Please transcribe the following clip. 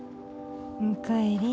おかえり。